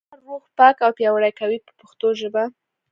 کار روح پاک او پیاوړی کوي په پښتو ژبه.